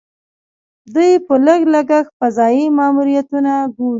دوی په لږ لګښت فضايي ماموریتونه کوي.